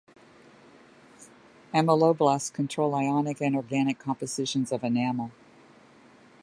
Ameloblasts control ionic and organic compositions of enamel.